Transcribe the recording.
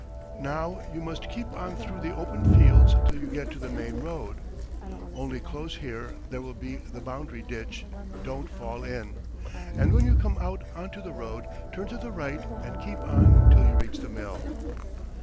Now you must keep on through the open fields till you get to the main road. Only close here there will be the boundary ditch don't fall in. ... And when you come out on to the road, turn to the right, and keep on till you reach the mill.